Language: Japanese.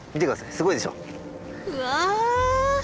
すごいでしょ？うわ！